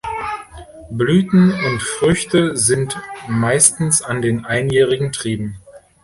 Blüten und Früchte sind meistens an den einjährigen Trieben.